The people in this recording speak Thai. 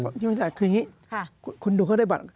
คืออย่างนี้คุณดูเขาได้บัตร